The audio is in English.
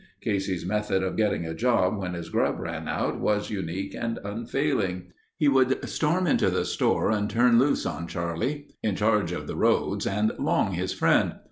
Casey's method of getting a job when his grub ran out was unique and unfailing. He would storm into the store and turn loose on Charlie, in charge of the roads and long his friend.